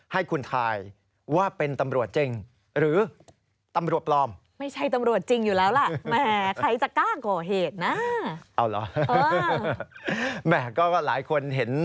ให้คุณทายว่าเป็นตำรวจจริงหรือตำรวจปลอม